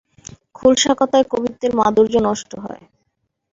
খোলসা কথায় কবিত্বের মাধুর্য নষ্ট হয়।